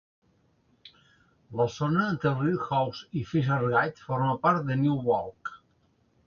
La zona entre el riu Ouse i Fishergate forma part de New Walk.